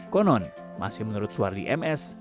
konon masih menurut suwardi ms